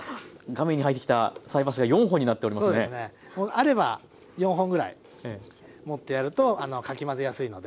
あれば４本ぐらい持ってやるとかき混ぜやすいので。